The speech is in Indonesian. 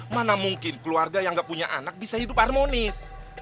mana mungkin keluarga yang gak punya anak bisa hidup harmonis